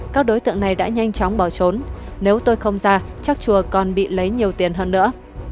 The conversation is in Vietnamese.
các đối tượng này đã nhanh chóng bỏ trốn nếu tôi không ra chắc chùa còn bị lấy nhiều tiền hơn nữa